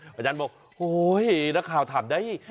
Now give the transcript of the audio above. ประจันบอกโอ้ยนักข่าวถามได้